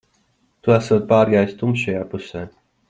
Tu esot pārgājis tumšajā pusē.